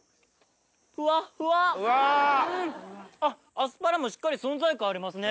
アスパラもしっかり存在感ありますね。